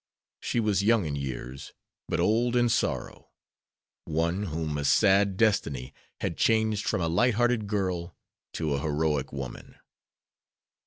She was young in years, but old in sorrow; one whom a sad destiny had changed from a light hearted girl to a heroic woman.